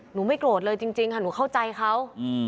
ไม่โกรธเลยจริงค่ะหนูเข้าใจเขา